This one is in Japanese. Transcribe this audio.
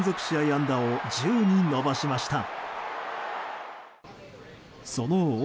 安打を１０に伸ばしました。